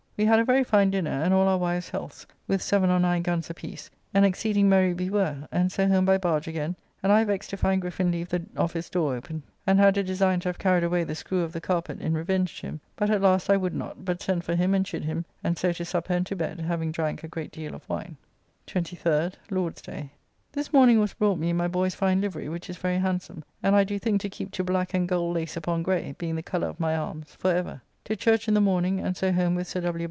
We had a very fine dinner, and all our wives' healths, with seven or nine guns apiece; and exceeding merry we were, and so home by barge again, and I vexed to find Griffin leave the office door open, and had a design to have carried away the screw or the carpet in revenge to him, but at last I would not, but sent for him and chid him, and so to supper and to bed, having drank a great deal of wine. 23rd (Lord's day). This morning was brought me my boy's fine livery, which is very handsome, and I do think to keep to black and gold lace upon gray, being the colour of my arms, for ever. To church in the morning, and so home with Sir W.